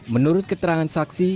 menurut keterangan saksi